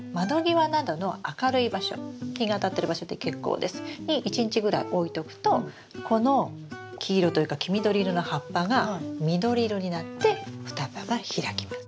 日があたってる場所で結構です。に１日ぐらい置いとくとこの黄色というか黄緑色の葉っぱが緑色になって双葉が開きます。